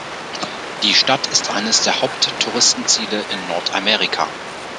Die Stadt ist eines der Haupt-Touristenziele in Nordamerika.